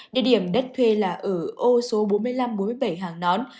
địa điểm đất thuê là ở ô số bốn nghìn năm trăm bốn mươi bảy hàng nón